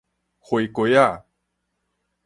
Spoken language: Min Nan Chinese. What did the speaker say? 花瓜仔